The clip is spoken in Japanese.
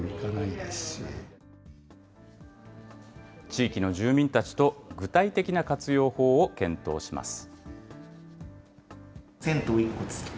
地域の住民たちと具体的な活用法を検討します。